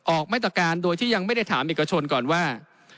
ออกมาตรการโดยที่ยังไม่ได้ถามเอกชนก่อนว่า